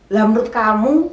lah menurut kamu